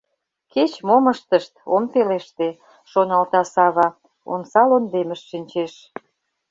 «Кеч-мом ыштышт, ом пелеште», — шоналта Сава, омса лондемыш шинчеш.